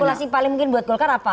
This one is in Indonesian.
regulasi paling mungkin buat golkar apa